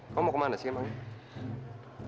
kamu mau ke mana sih emangnya